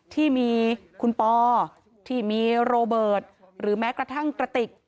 ที่มีคุณปอที่มีโรเบิร์ตหรือแม้กระทั่งกระติก